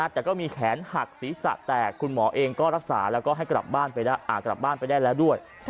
แต่ก็มีแขนหักศีรษะแตกคุณหมอเองก็รักษาแล้วก็ให้กลับบ้านไปได้แล้วด้วย